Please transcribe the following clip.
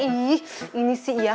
ih ini sih ya